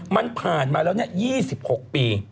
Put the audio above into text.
มันผ่านมาแล้ว๒๖ปี